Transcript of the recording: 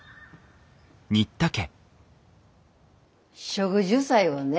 植樹祭をね